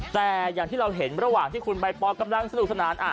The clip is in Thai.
แต่อย่างที่เราเห็นระหว่างที่คุณใบปอลกำลังสนุกสนาน